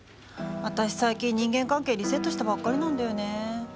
私最近人間関係リセットしたばっかりなんだよね。